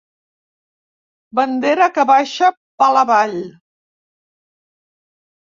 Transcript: Bandera que baixa pal avall.